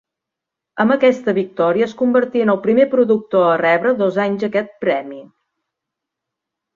Amb aquesta victòria es convertí en el primer productor a rebre dos anys aquest premi.